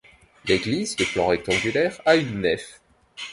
L’église, de plan rectangulaire, a une nef.